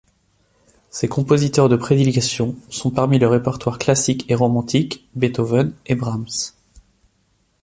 Ses compositeurs de prédilection sont parmi le répertoire classique et romantique, Beethoven et Brahms.